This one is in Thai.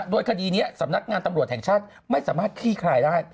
โดยคดีนี้สำนักงานตำรวจแห่งชาติไม่สามารถขี้คลายได้